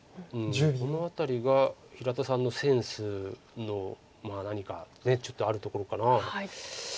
この辺りが平田さんのセンスの何かちょっとあるところかな。